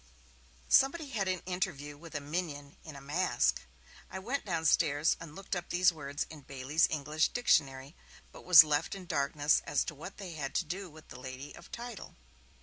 Somebody had an interview with a 'minion' in a 'mask'; I went downstairs and looked up these words in Bailey's 'English Dictionary', but was left in darkness as to what they had to do with the lady of title.